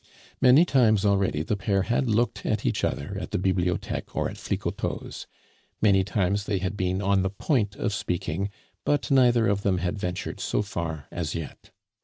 Many times already the pair had looked at each other at the Bibliotheque or at Flicoteaux's; many times they had been on the point of speaking, but neither of them had ventured so far as yet.